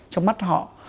trong mắt họ